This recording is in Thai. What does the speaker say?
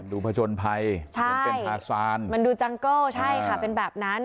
ผจญภัยใช่เหมือนเป็นฮาซานมันดูจังเกิลใช่ค่ะเป็นแบบนั้น